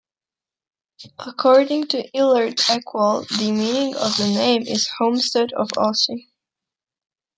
According to Eilert Ekwall, the meaning of the name is "homestead of Assi".